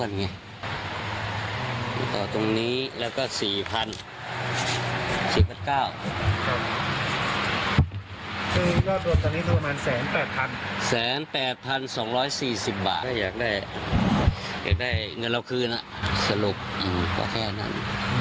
สิ้นเดี๋ยวต้องไปคุยกันต่อว่าเราจะได้ฟัสบุตรอีกหรือเปล่า